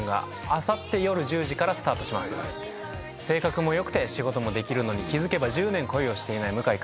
性格も良くて仕事もできるのに気付けば１０年恋をしていない向井君。